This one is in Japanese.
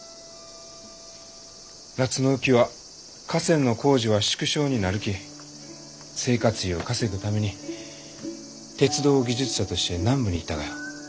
夏の雨期は河川の工事は縮小になるき生活費を稼ぐために鉄道技術者として南部に行ったがよ。